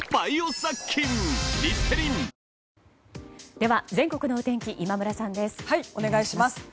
では全国のお天気今村さんです、お願いします。